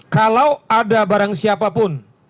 kalau ada barang siapapun